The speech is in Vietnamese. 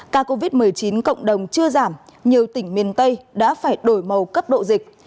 ca covid một mươi chín cộng đồng chưa giảm nhiều tỉnh miền tây đã phải đổi màu cấp độ dịch